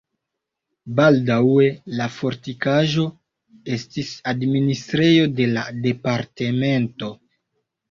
Baldaŭe la fortikaĵo estis administrejo de la departemento.